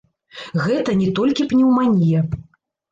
Гэта не толькі пнеўманія.